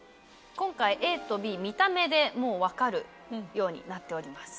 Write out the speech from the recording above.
今回ＡとＢ見た目でもう分かるようになっております。